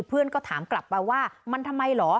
เพื่อนก็ถามกลับไปว่ามันทำไมเหรอ